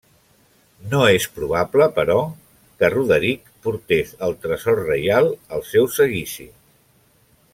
No és probable, però, que Roderic portés el tresor reial al seu seguici.